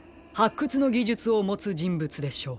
くつのぎじゅつをもつじんぶつでしょう。